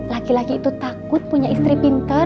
laki laki itu takut punya istri pintar